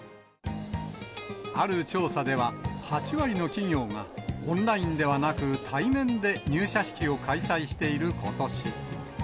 ある調査では、８割の企業がオンラインではなく対面で入社式を開催していることし。